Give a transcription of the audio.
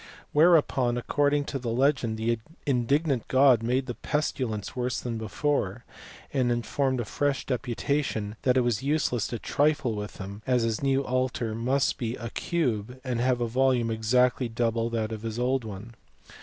Whereupon, according to the legend, the indignant god made the pestilence worse than before, arid informed a fresh deputation that it was useless to trifle with him, as his new altar must be a cube and have a volume exactly double that of his old one.